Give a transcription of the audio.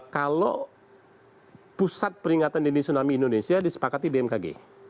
kalau pusat peringatan dini tsunami indonesia disepakati bmkg